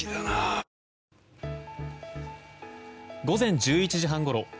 午前１１時半ごろ